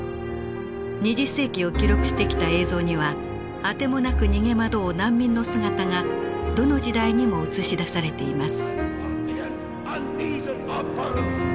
２０世紀を記録してきた映像には当てもなく逃げ惑う難民の姿がどの時代にも映し出されています。